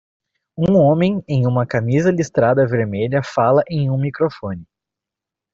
Um homem em uma camisa listrada vermelha fala em um microfone.